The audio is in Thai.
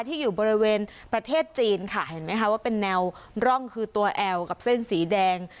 ที่อยู่บริเวณประเทศจีนค่ะเห็นไหมคะว่าเป็นแนวร่องคือตัวแอลกับเส้นสีแดง